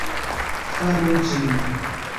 Faru ĝin